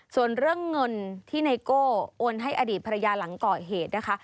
ส่วนเรื่องเงินที่ไนโก้โอนให้อดีตภรรยาหลังก่อเหตุนะคะ